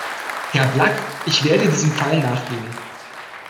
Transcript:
Herr Blak, ich werde diesem Fall nachgehen.